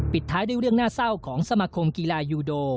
ท้ายด้วยเรื่องน่าเศร้าของสมาคมกีฬายูโด